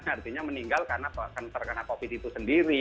artinya meninggal karena terkena covid itu sendiri